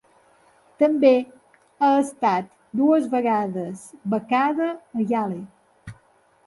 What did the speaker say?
També ha estat dues vegades becada a Yale.